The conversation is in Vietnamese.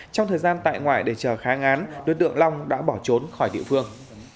trong thời gian tại ngoại để chờ kháng án đối tượng long đã bỏ trốn khỏi địa phương